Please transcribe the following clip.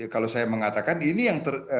kalau saya mengatakan ini yang